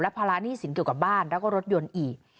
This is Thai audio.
ภาระหนี้สินเกี่ยวกับบ้านแล้วก็รถยนต์อีก